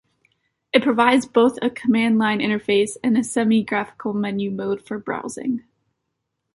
It provides both a command-line interface and a semi-graphical menu mode for browsing.